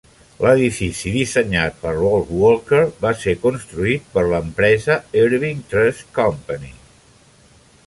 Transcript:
L'edifici, dissenyat per Ralph Walker, va ser construït per l'empresa Irving Trust Company.